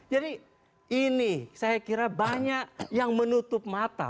jadi ini saya kira banyak yang menutup mata